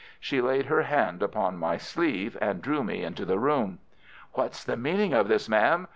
She laid her hand upon my sleeve and drew me into the room. "What's the meaning of this, ma'am?